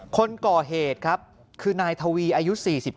คนก่อเหตุครับคือนายทวีอายุ๔๙